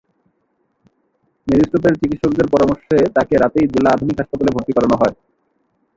Mary স্টোপসের চিকিৎসকদের পরামর্শে তাঁকে রাতেই জেলা আধুনিক হাসপাতালে ভর্তি করানো হয়।